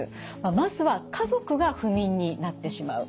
まずは家族が不眠になってしまう。